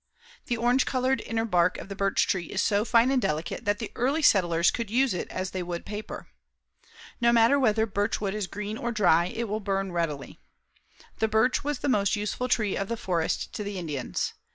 The orange colored inner bark of the birch tree is so fine and delicate that the early settlers could use it as they would paper. No matter whether birch wood is green or dry, it will burn readily. The birch was the most useful tree of the forest to the Indians.